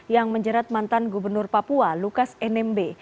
yang menjerat mantan gubernur papua lukas nmb